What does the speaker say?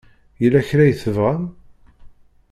Yella kra i tebɣam?